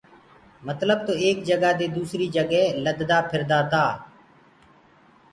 متلب تو ايڪ جگآ دي دوٚسريٚ جگي لددا ڦِردآ تآ۔